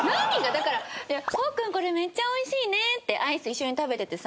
だから「ほっくんこれめっちゃおいしいね！」ってアイス一緒に食べててさ。